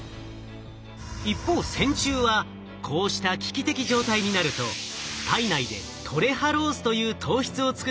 一方線虫はこうした危機的状態になると体内でトレハロースという糖質を作ることができます。